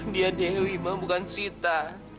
dia dewi mah bukan sita